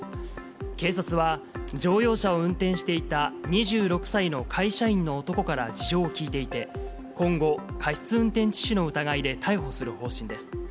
警察は、乗用車を運転していた２６歳の会社員の男から事情を聴いていて、今後、過失運転致死の疑いで逮捕する方針です。